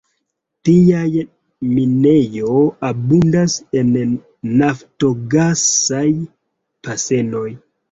Tiaj minejo abundas en naftogasaj basenoj.